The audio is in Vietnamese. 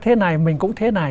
thế này mình cũng thế này